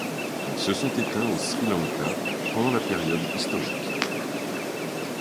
Ils se sont éteints au Sri Lanka pendant la période historique.